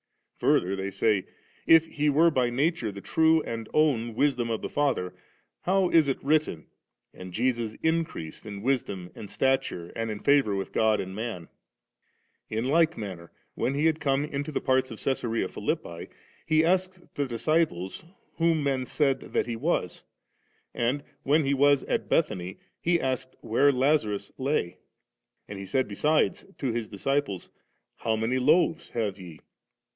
Further they say; * If He were by nature the true and own Wisdom of the Father, how is it written, *And Jesus increased in wisdom and suture, and in favour with God and man^?' In like manner, when He had come into the parts of Caesarea Philippi, He asked the dis ciples whom men said that He was ; and when He was at Bethany He asked where Lazarus lay; and He said besides to His disciples, * How many loaves have ye ^